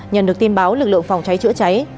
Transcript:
nhận được tin báo lực lượng phòng cháy chữa cháy